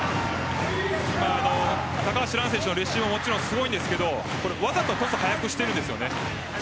高橋藍選手のレシーブもすごいんですがわざとトス速くしているんですよね。